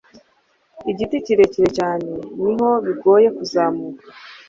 Igiti kirekire cyane, niko bigoye kuzamuka.